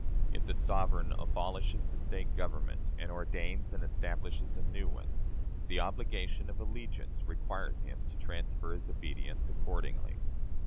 If the sovereign abolishes the State government and ordains and establishes a new one, the obligation of allegiance requires him to transfer his obedience accordingly.